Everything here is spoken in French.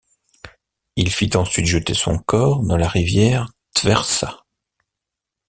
Il fit ensuite jeter son corps dans la rivière Tvertsa.